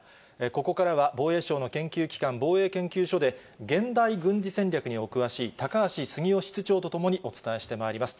ここからは防衛省の研究機関、防衛研究所で、現代軍事戦略にお詳しい、高橋杉雄室長と共にお伝えしてまいります。